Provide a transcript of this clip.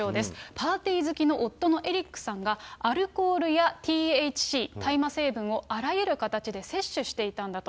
パーティー好きの夫のエリックさんが、アルコールやＴＨＣ、大麻成分をあらゆる形で摂取していたんだと。